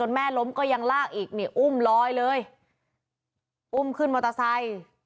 แม่ล้มก็ยังลากอีกนี่อุ้มลอยเลยอุ้มขึ้นมอเตอร์ไซค์